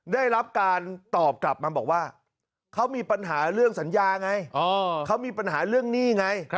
ได้รับการตอบกลับมาบอกว่าเขามีปัญหาเรื่องสัญญาไงเขามีปัญหาเรื่องหนี้ไง